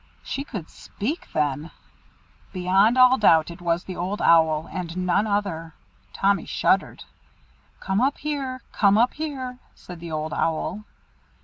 She could speak, then! Beyond all doubt it was the Old Owl, and none other. Tommy shuddered. "Come up here! come up here!" said the Old Owl.